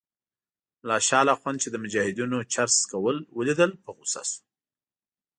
ملا شال اخند چې د مجاهدینو چرس څکول ولیدل په غوسه شو.